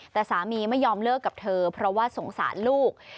แต่สามีไม่ยอมเลิกกับเธอเพราะว่าสงสารลูก